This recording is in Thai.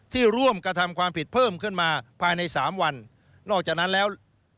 ร่วมกระทำความผิดเพิ่มขึ้นมาภายในสามวันนอกจากนั้นแล้ว